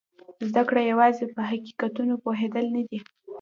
زده کړه یوازې په حقیقتونو پوهېدل نه دي.